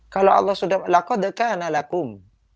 kalau allah sudah lakodekan alakumum